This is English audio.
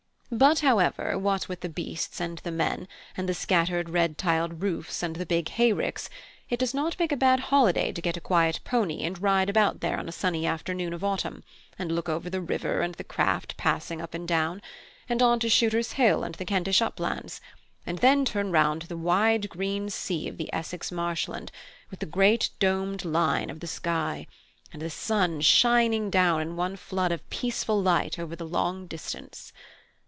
But however, what with the beasts and the men, and the scattered red tiled roofs and the big hayricks, it does not make a bad holiday to get a quiet pony and ride about there on a sunny afternoon of autumn, and look over the river and the craft passing up and down, and on to Shooters' Hill and the Kentish uplands, and then turn round to the wide green sea of the Essex marsh land, with the great domed line of the sky, and the sun shining down in one flood of peaceful light over the long distance.